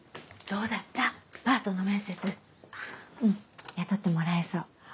うん雇ってもらえそう。